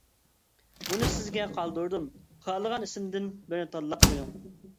بۇنى سىزگە قالدۇردۇم، خالىغان ئىسىمدىن بىرنى تاللاپ قويۇڭ.